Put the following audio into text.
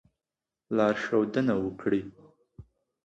لارښودنه وکړي.